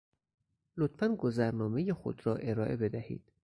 لطفاَ گذرنامهٔ خود را ارائه بدهید.